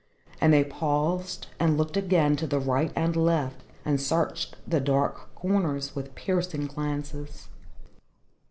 And then they paused, and looked again to the right and left, and searched the dark corners with piercing glances.